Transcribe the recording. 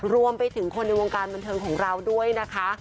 รวมไปถึงคนในวงการบันเทิงของเราด้วยนะคะ